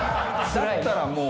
だったらもう。